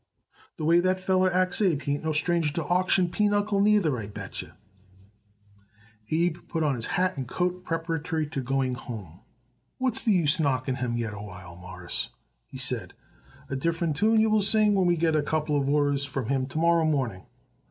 "The way that feller acts, Abe, he ain't no stranger to auction pinochle, neither, I bet yer." Abe put on his hat and coat preparatory to going home. "What's the use knocking him yet a while, Mawruss?" he said. "A different tune you will sing it when we get a couple of orders from him to morrow morning."